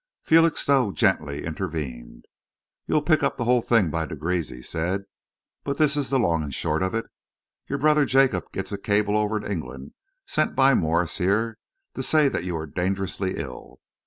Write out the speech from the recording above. Felixstowe gently intervened. "You'll pick the whole thing up by degrees," he said, "but this is the long and short of it. Your brother Jacob gets a cable over in England, sent by Morse here, to say that you are dangerously ill.